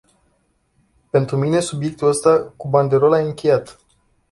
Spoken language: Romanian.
Pentru mine, subiectul ăsta cu banderola e încheiat.